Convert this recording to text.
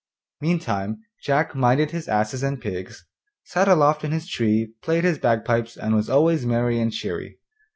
Meantime Jack minded his asses and pigs, sat aloft in his tree, played his bagpipes, and was always merry and cheery.